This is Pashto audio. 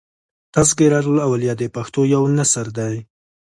" تذکرة الاولیاء" د پښتو یو نثر دﺉ.